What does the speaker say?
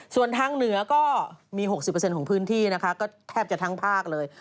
ส่วนทางเหนือก็มี๖๐ของพื้นที่นะคะก็แทบจะทั้งภาคเลย